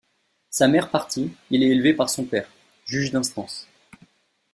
Sa mère partie, il est élevé par son père, juge d'instance.